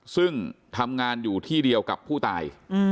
ซึ่งทำงานอยู่ที่เดียวกับผู้ตาย